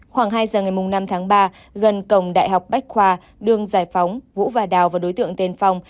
khoảng hai giờ ngày năm tháng ba gần cổng đại học bách khoa đường giải phóng vũ và đào và đối tượng tên phong